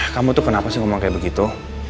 kamu tuh kenapa sih ngomong kayak begitu